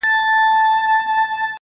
د خدای سره خبرې کړه هنوز په سجده کي,